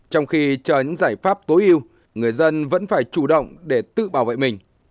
trong khi chờ những giải pháp tối yêu người dân vẫn phải chủ động để tự bảo vệ mình